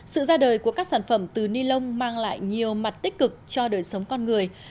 sự ra đời của các sản phẩm từ ni lông mang lại nhiều mặt tích cực cho đời sống con người